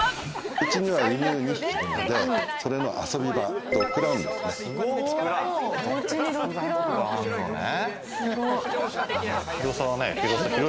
うちには犬２匹いるので、それの遊び場、ドッグランですね。